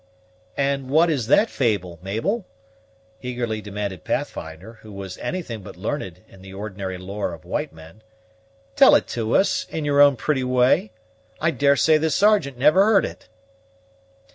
"And what is that fable, Mabel?" eagerly demanded Pathfinder, who was anything but learned in the ordinary lore of white men. "Tell it to us, in your own pretty way; I daresay the Sergeant never heard it."